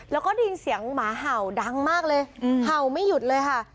แล้วก็ได้ยินเสียงหมาเห่าดังมากเลยเห่าไม่หยุดเลยค่ะ